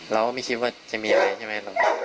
เราก็ไม่คิดว่าจะมีอะไรใช่ไหม